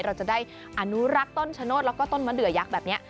เราจะได้อนุรักษ์ต้นชะโนธแล้วก็ต้นมะเดือยักษ์แบบนี้